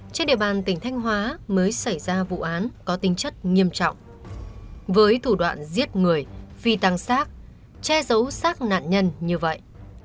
trên địa bàn tỉnh thanh hóa mới xảy ra vụ án có tính chất nghiêm trọng với thủ đoạn giết người phi tăng sát che giấu xác nạn nhân như vậy